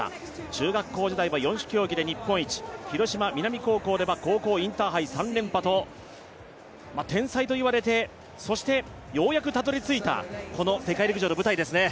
中学校時代は四種競技で日本一、広島皆実高校では、高校インターハイ３連覇と、天才と言われて、そしてようやくたどり着いた世界陸上の舞台ですね。